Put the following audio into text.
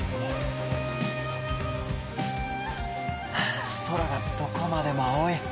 ハァ空がどこまでも青い。